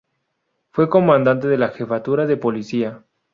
Fue comandante de la Jefatura de Policía.